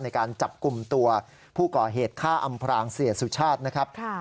ในการจับกลุ่มตัวผู้ก่อเหตุฆ่าอำพรางเสียสุชาตินะครับ